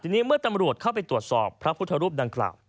ทีนี้เมื่อตำรวจเข้าไปตรวจสอบพระพุทธรูปดังกล่าว